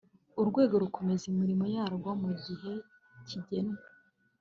urwego rukomeza imirimo yarwo mu gihe kigenwe